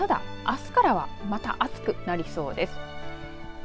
ただ、あすからはまた暑くなりそうです。